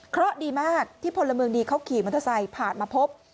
เพราะดีมากที่พลเมืองดีเขาขี่มอเตอร์ไซค์ผ่านมาพบ